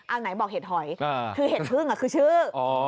เอาไหนบอกเห็ดหอยคือเห็ดพึ่งคือชื่อ